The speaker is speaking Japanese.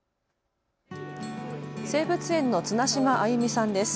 生物園の綱島歩美さんです。